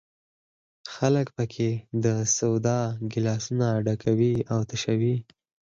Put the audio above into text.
خلک په کې د سودا ګیلاسونه ډکوي او تشوي.